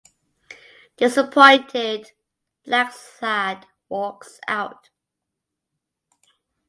Disappointed, Blacksad walks out.